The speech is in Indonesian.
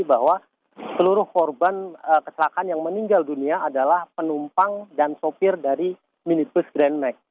bahwa seluruh korban kecelakaan yang meninggal dunia adalah penumpang dan sopir dari minibus grand max